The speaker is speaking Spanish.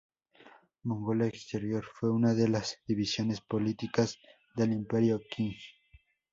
Mongolia Exterior fue una de las divisiones políticas del Imperio Qing.